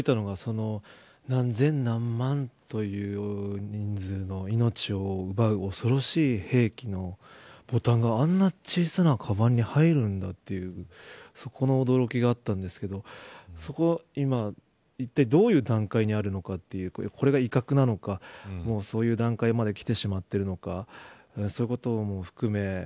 まず驚いたのが全何千、何万という人数の命を奪う恐ろしい兵器のボタンがあんな小さなカバンに入るんだというそこの驚きがあったんですけどそこは今、いったいどういう段階にあるのかというこれが威嚇なのか、そういう段階まできてしまっているのかそういうことも含め